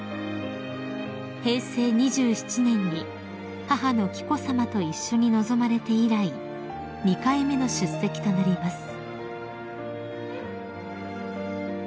［平成２７年に母の紀子さまと一緒に臨まれて以来２回目の出席となります］